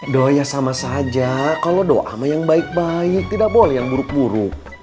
doa ya sama saja kalau doa sama yang baik baik tidak boleh yang buruk buruk